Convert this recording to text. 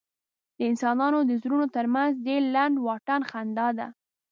د انسانانو د زړونو تر منځ ډېر لنډ واټن خندا ده.